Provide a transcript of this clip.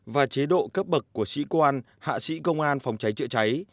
và chế độ cấp bậc của sĩ quan hạ sĩ công an phòng cháy chữa cháy